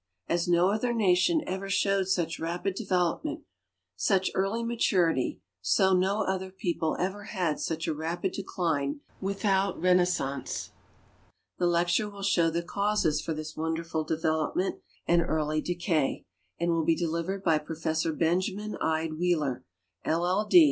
As no other nation ever showed such rapid development, such early maturity, so no other people ever had such a rapid decline without renaissance. The lecture will show the causes for this wonderful development and early decay, and will be delivered by Prof. Benjainin Ide Wheeler, LL. D.